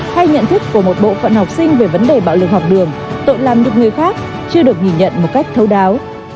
hay nhận thức của một bộ phận học sinh về vấn đề bạo lực học đường tội làm được người khác chưa được nhìn nhận một cách thấu đáo